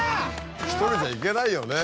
１人じゃ行けないよね。